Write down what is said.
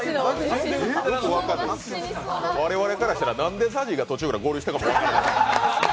我々からしたら何でＺＡＺＹが合流したかも分からない。